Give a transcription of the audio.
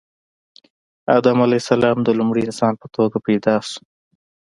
آدم علیه السلام د لومړي انسان په توګه پیدا شو